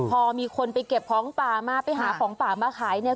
พอมีคนไปเก็บของป่ามาไปหาของป่ามาขายเนี่ย